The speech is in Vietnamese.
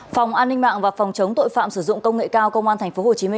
phòng an ninh mạng và phòng chống tội phạm sử dụng công nghệ cao công an tp hcm